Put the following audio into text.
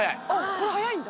これ速いんだ。